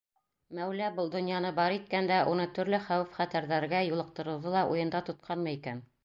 Мәүлә был донъяны бар иткәндә уны төрлө хәүеф-хәтәрҙәргә юлыҡтырыуҙы ла уйында тотҡанмы икән?